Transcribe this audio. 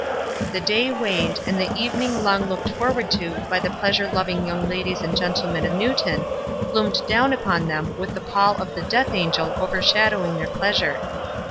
The day waned, and the evening long looked forward to by the pleasure loving young ladies and gentlemen of Newton gloomed down upon them with the pall of the death angel over shadowing their pleasure.